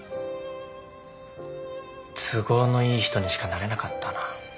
都合のいい人にしかなれなかったな。